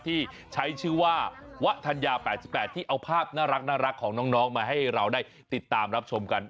ที่ใช้ชื่อว่าวะธัญญา๘๘ที่เอาภาพน่ารักของน้องมาให้เราได้ติดตามรับชมกัน